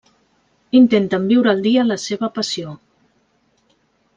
Intenten viure al dia la seva passió.